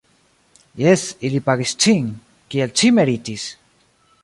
Jes, ili pagis cin, kiel ci meritis!